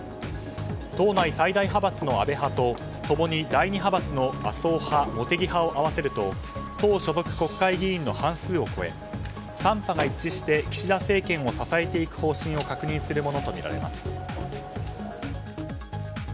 党内最大派閥の安倍派と共に第２派閥の麻生派茂木派を合わせると党所属国会議員の半数を超え３派が一致して岸田政権を支えていく方向を確認するとみられます。